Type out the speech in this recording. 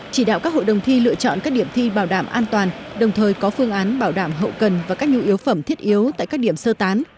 chỉ đạo các hội đồng thi lựa chọn các điểm thi bảo đảm an toàn đồng thời có phương án bảo đảm hậu cần và các nhu yếu phẩm thiết yếu tại các điểm sơ tán